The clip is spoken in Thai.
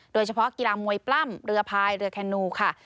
โดยเฉพาะกีฬามวยปล้ำเรือพายเรือแคนูค่ะ